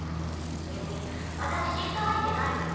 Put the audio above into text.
それに私シフト入ってないよね。